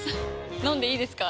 飲んでいいですか？